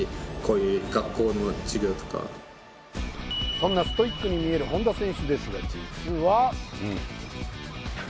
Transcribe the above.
そんなストイックに見える本多選手ですが実は